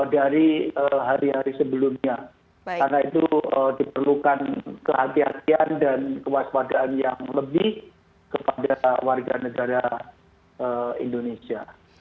karena itu diperlukan kehati hatian dan kewaspadaan yang lebih kepada warga negara indonesia